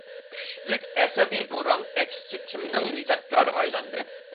كۈچلۈك، ئەسەبىي بوران ئەكسىچە كېمىنىڭ نىجاتكارىغا ئايلاندى.